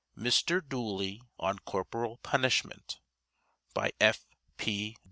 "MR. DOOLEY ON CORPORAL PUNISHMENT" By F.